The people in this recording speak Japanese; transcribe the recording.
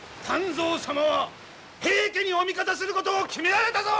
湛増様は平家にお味方することを決められたぞ！